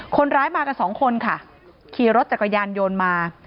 คนร้ายมากันสองคนค่ะขี่รถจักรยานยนต์มา